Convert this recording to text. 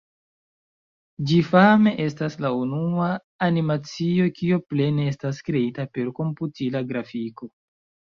Ĝi fame estas la unua animacio, kio plene estas kreita per komputila grafiko.